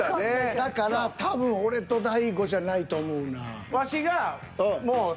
だから多分俺と大悟じゃないと思うな。